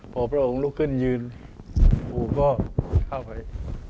พอพระองค์ลุกขึ้นยืนปู่ก็เข้าไป